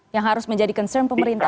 yang harus menjadi concern pemerintah